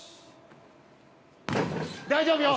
大丈夫よ。